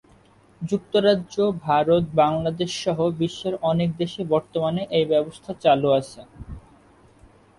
যুক্তরাজ্য, ভারত, বাংলাদেশ সহ বিশ্বের অনেক দেশেই বর্তমানে এই ব্যবস্থা চালু আছে।